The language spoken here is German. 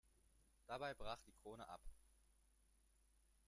Dabei brach die Krone ab.